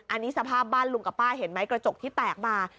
อันนี้สภาพบ้านลุงกับป้าเห็นไหมกระจกที่แตกมา